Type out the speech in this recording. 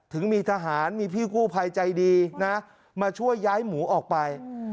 ถึงมีทหารมีพี่กู้ภัยใจดีนะมาช่วยย้ายหมูออกไป